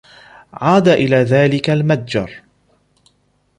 عاد إلى ذلك المتجر.